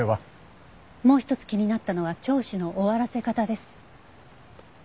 もう一つ気になったのは聴取の終わらせ方です。